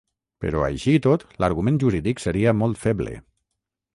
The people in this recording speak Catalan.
Però, així i tot, l’argument jurídic seria molt feble.